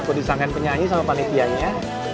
aku disangkain penyanyi sama panitianya